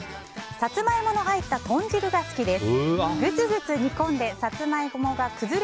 サツマイモの入った豚汁が好きです。